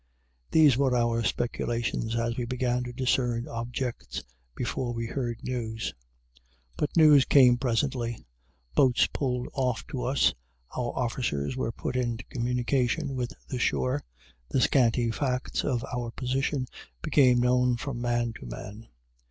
These were our speculations as we began to discern objects, before we heard news. But news came presently. Boats pulled off to us. Our officers were put into communication with the shore. The scanty facts of our position became known from man to man.